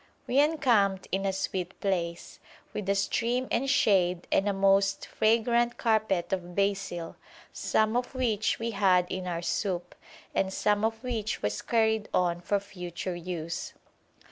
We encamped in a sweet place, with a stream and shade and a most fragrant carpet of basil, some of which we had in our soup, and some of which was carried on for future use.